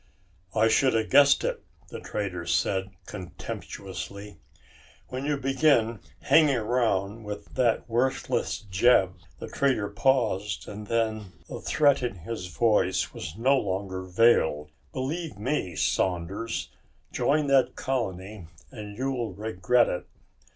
"I should have guessed it," the trader said contemptuously, "when you began hanging around that worthless Jeb." The trader paused and then the threat in his voice was no longer veiled. "Believe me, Saunders, join that colony and you'll regret it."